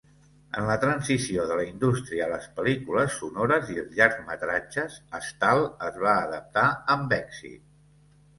En la transició de la indústria a les pel·lícules sonores i els llargmetratges, Stahl es va adaptar amb èxit.